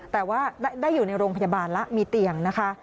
แต่ว่าได้อยู่ในโรงพยาบาลแล้วมีเตียงนะคะ